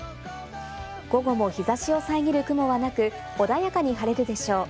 午後も日差しを遮る雲はなく穏やかに晴れるでしょう。